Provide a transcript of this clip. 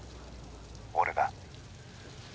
☎俺だ。